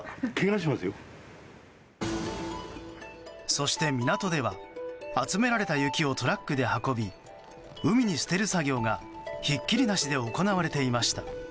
そして、港では集められた雪をトラックで運び海に捨てる作業がひっきりなしで行われていました。